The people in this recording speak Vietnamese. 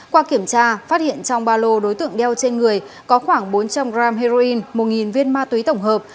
qua kiểm tra phát hiện trong ba lô đối tượng đeo trên người có khoảng bốn trăm linh g heroin một viên ma túy tổng hợp